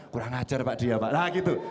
kurang ajar pak dria pak nah gitu